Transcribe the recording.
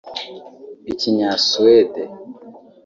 Ikinya-Suède